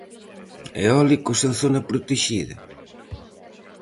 Eólicos en zona protexida?